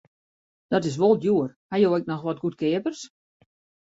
Dit is wol djoer, ha jo ek noch wat goedkeapers?